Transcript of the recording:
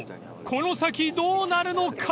この先どうなるのか！］